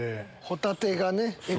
ホタテがね。